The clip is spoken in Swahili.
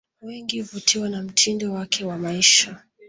Wengi uvutiwa na mtindo wake wa maisha